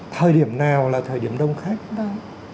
thời điểm nào là thời điểm đông khách